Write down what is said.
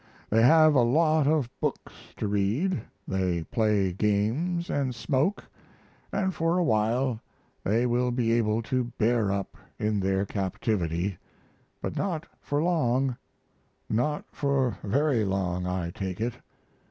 They have a lot of books to read, they play games & smoke, & for a while they will be able to bear up in their captivity; but not for long, not for very long, I take it.